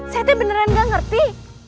saya tuh beneran gak ngerti